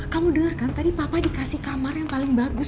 kamu dengarkan tadi papa dikasih kamar yang paling bagus